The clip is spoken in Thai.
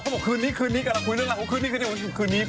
เขาบอกคืนนี้คืนนี้กำลังคุยด้วยลาหูคืนนี้คืนนี้คืนนี้